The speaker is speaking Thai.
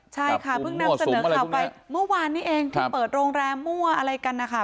ใช่ค่ะเพิ่งนำเสนอข่าวไปเมื่อวานนี้เองที่เปิดโรงแรมมั่วอะไรกันนะคะ